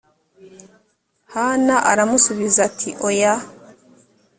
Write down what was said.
hana aramusubiza ati oya